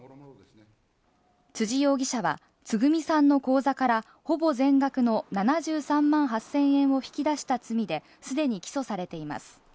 辻容疑者はつぐみさんの口座からほぼ全額の７３万８０００円を引き出した罪で既に起訴されています。